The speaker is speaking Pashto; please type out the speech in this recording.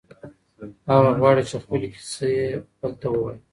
هغه غواړي چې خپلې کیسې بل ته ووایي.